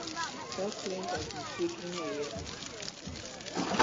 Dat klinkt as muzyk yn 'e earen.